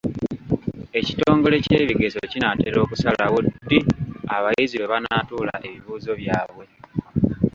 Ekitongole ky'ebigezo kinaatera okusalawo ddi abayizi lwe banaatuula ebibuuzo byabwe.